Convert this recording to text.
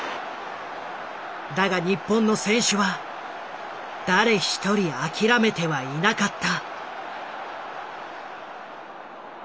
だが日本の選手は誰一人諦めてはいなかった。